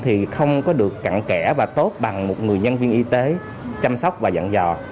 thì không có được cặn kẽ và tốt bằng một người nhân viên y tế chăm sóc và dặn dò